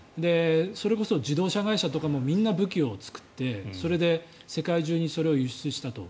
それこそ自動車会社とかも武器を作ってそれで世界中にそれを輸出したと。